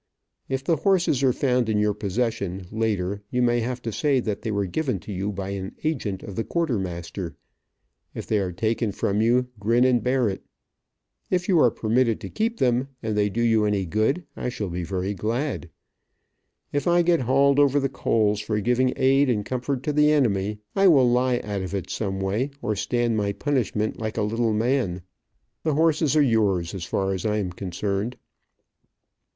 If the horses are found in your possession, later, you may have to say that they were given to you by an agent of the quartermaster. If they are taken from you, grin and bear it. If you are permitted to keep them, and they do you any good, I shall be very glad. If I get hauled over the coals for giving aid and comfort to the enemy, I will lie out of it some way, or stand my punishment like a little man. The horses are yours, as far as I am concerned."